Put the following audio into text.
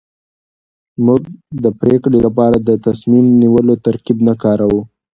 موږ د پرېکړې لپاره د تصميم نيولو ترکيب نه کاروو.